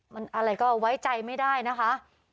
มันอะไรก็ไว้ใจไม่ได้นะคะ